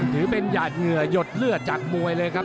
ถือเป็นหยาดเหงื่อหยดเลือดจากมวยเลยครับ